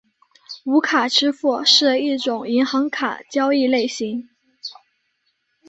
无卡支付是一种银行卡交易类型。